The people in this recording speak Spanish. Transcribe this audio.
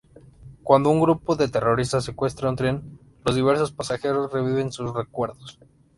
Cuando un grupo de terroristas secuestra un tren, los diversos pasajeros reviven sus recuerdos.